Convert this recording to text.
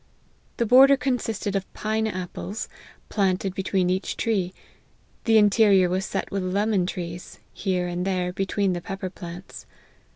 The border consisted of pine apples, planted between each tree ; the inte* rior was set with lemon trees, here and there, be tween the pepper plants.